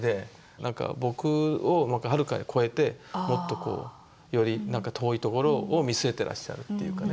なんか僕をはるかに越えてもっとこうよりなんか遠いところを見据えてらっしゃるっていうかね。